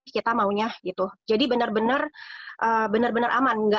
kita maunya gitu jadi bener bener bener bener aman enggak